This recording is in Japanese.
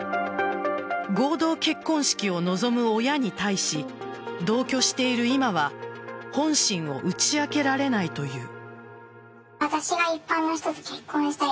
合同結婚式を望む親に対し同居している今は本心を打ち明けられないという。